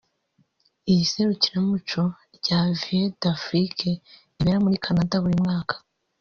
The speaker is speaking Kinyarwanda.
Iri serukiramuco rya ‘Vues d’Afrique’ ribera muri Canada buri mwaka